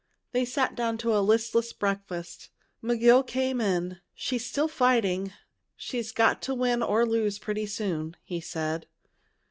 They sat down to a listless breakfast. McGill came in. "She's still fighting. She's got to win or lose pretty soon," he said.